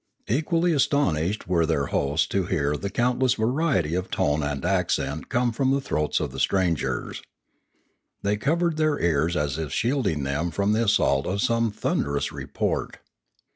Equally astonished were their hosts to hear the countless variety of tone and accent come from the throats of the strangers. They covered their ears as if shielding them from the assault of some thunderous report.